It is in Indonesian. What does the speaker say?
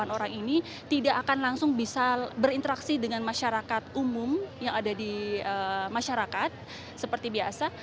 delapan orang ini tidak akan langsung bisa berinteraksi dengan masyarakat umum yang ada di masyarakat seperti biasa